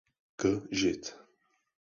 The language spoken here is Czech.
K žid.